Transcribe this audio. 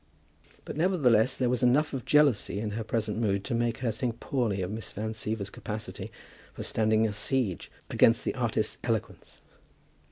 But nevertheless there was enough of jealousy in her present mood to make her think poorly of Miss Van Siever's capacity for standing a siege against the artist's eloquence.